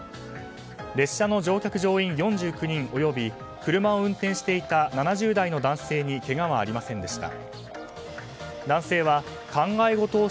列車の乗客乗員４９人及び車を運転していた７０代の男性にけがはありませんでした。